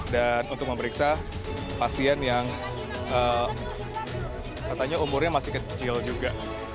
dan untuk memeriksa pasien yang katanya umurnya masih kecil juga